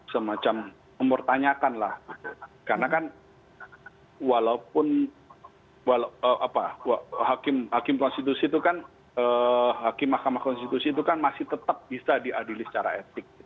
semacam mempertanyakanlah karena kan walaupun apa hakim mk konstitusi itu kan masih tetap bisa diadili secara etik